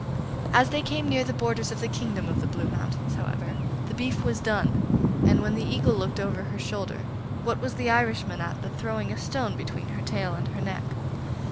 As they came near the borders of the kingdom of the Blue Mountains, however, the beef was done, and, when the Eagle looked over her shoulder, what was the Irishman at but throwing the stone between her tail and her neck!